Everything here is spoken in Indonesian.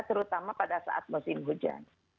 terutama pada saat musim hujan